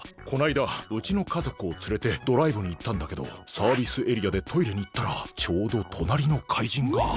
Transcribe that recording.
こないだうちのかぞくをつれてドライブにいったんだけどサービスエリアでトイレにいったらちょうどとなりのかいじんが。